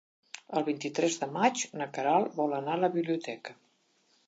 El vint-i-tres de maig na Queralt vol anar a la biblioteca.